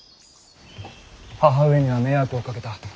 母上には迷惑をかけた。